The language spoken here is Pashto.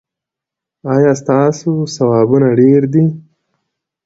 ایا ستاسو ثوابونه ډیر دي؟